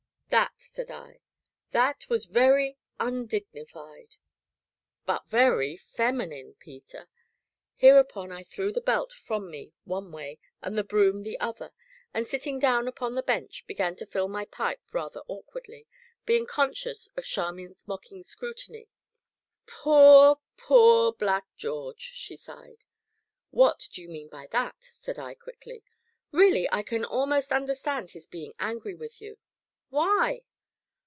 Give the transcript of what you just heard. "That," said I, "that was very undignified!" "But very feminine, Peter!" Hereupon I threw the belt from me one way, and the broom the other, and sitting down upon the bench began to fill any pipe rather awkwardly, being conscious of Charmian's mocking scrutiny. "Poor poor Black George!" she sighed. "What do you mean by that?" said I quickly. "Really I can almost understand his being angry with you." "Why?"